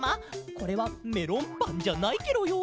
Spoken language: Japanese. これはメロンパンじゃないケロよ。